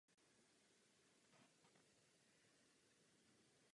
O rok později získala stříbro také na juniorském mistrovství Evropy v Birminghamu.